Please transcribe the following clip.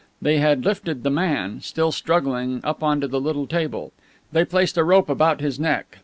They had lifted the man, still struggling, up onto the little table. They placed a rope about his neck.